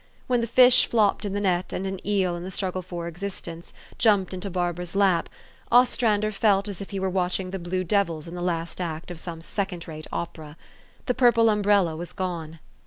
When the fish flopped in the net, and an eel, in the struggle for existence, jumped into Barbara's lap, Ostrander felt as if he were watching the blue devils in the last act of some second rate opera. The purple umbrella was gone.